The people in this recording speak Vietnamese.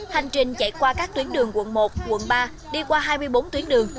hành trình chạy qua các tuyến đường quận một quận ba đi qua hai mươi bốn tuyến đường